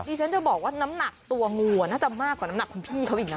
ฉันจะบอกว่าน้ำหนักตัวงูน่าจะมากกว่าน้ำหนักคุณพี่เขาอีกนะ